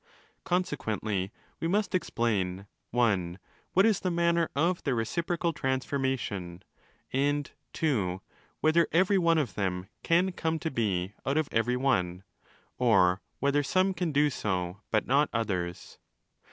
Consequently, we must explain (i) what is the manner of their reciprocal transformation, and (ii) whether every one of them can come to be out of every one—or whether some can do so, but not others.